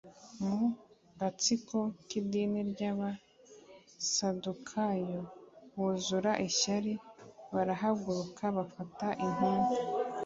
mu gatsiko k idini ry abasadukayo buzura ishyari barahaguruka bafata intumwa